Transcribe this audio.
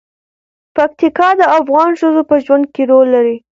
پکتیکا د افغان ښځو په ژوند کې رول لري.